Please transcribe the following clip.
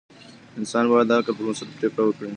انسان باید د عقل پر بنسټ پریکړې وکړي.